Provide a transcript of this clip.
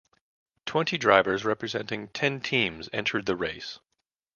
Twenty drivers representing ten teams entered the race.